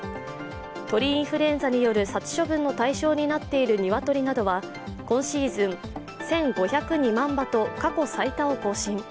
鳥インフルエンザによる殺処分の対象になっている鶏は、今シーズン１５０２万羽と過去最多を更新。